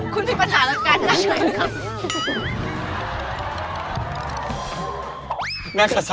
คุณมีปัญหาแล้วกันนะ